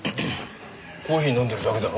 コーヒー飲んでるだけだろ？